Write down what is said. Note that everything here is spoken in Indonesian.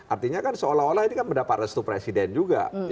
artinya kan seolah olah ini kan mendapat restu presiden juga